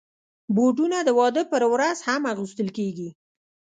بوټونه د واده پر ورځ هم اغوستل کېږي.